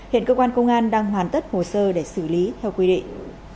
hiện cơ quan công an đang hoàn tất hồ sơ để xử lý theo quy định